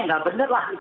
ya nggak bener lah